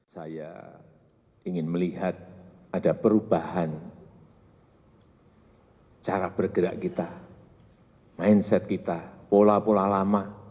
saya ingin melihat ada perubahan cara bergerak kita mindset kita pola pola lama